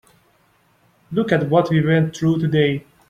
Look at what we went through today.